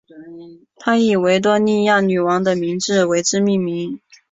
他以维多利亚女王的名字为之命名。